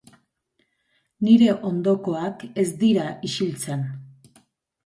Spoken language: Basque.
Nire ondokoak ez dira ixiltzen.